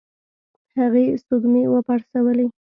هغې سږمې وپړسولې.